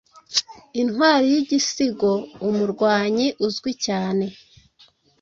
intwari yigisigo Umurwanyi uzwi cyane